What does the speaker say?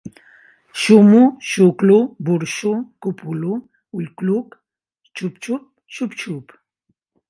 Xumo, xuclo, burxo, copulo ullcluc ; xup-xup, xup-xup...